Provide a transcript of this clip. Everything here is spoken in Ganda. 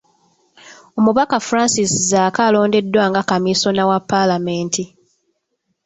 Omubaka Francis Zaake alondeddwa nga Kamisona wa Paalamenti